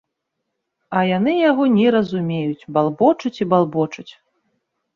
А яны яго не разумеюць, балбочуць і балбочуць.